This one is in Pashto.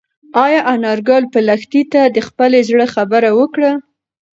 ایا انارګل به لښتې ته د خپل زړه خبره وکړي؟